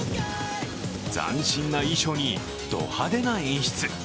斬新な衣装にド派手な演出。